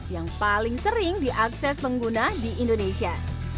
yang paling sering diakses pengguna di indonesia